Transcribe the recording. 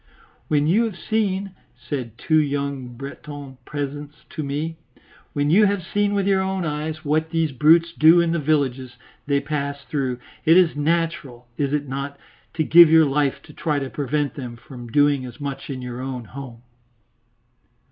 "When you have seen," said two young Breton peasants to me, "when you have seen with your own eyes what these brutes do in the villages they pass through, it is natural, is it not, to give your life to try to prevent them from doing as much in your own home?"